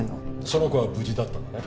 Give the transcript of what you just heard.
その子は無事だったんだね。